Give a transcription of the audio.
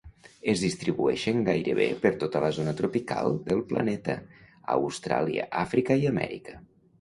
Es distribueixen gairebé per tota la zona tropical del planeta; a Austràlia, Àfrica i Amèrica.